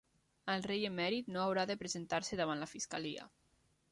El rei emèrit no haurà de presentar-se davant la fiscalia.